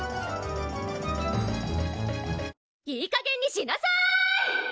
いいかげんにしなさい！